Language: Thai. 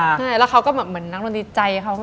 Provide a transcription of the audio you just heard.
ใช่แล้วเขาก็เหมือนนางน้องนิดใจเขา